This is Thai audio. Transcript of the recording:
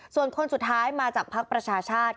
ส่วนคนสุดท้ายมาจากภักดิ์ประชาชาติ